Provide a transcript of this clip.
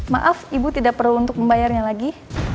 maaf ibu tidak perlu untuk membayarnya lagi